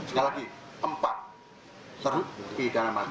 sekali lagi empat terpidana mati